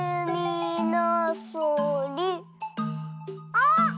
あっ！